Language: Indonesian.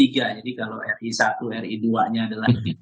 jadi kalau ri satu ri dua nya adalah